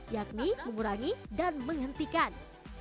yakni mengurangi dan menghentikan